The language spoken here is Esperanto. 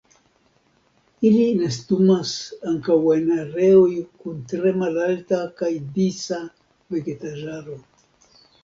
Ili nestumas ankaŭ en areoj kun tre malalta kaj disa vegetaĵaro.